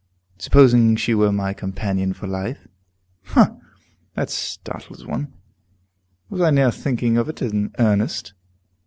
Supposing she were my companion for life Humph! that startles one, was I near thinking of it in earnest?